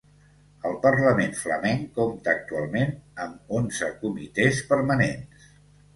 El Parlament Flamenc compta actualment amb onze comitès permanents.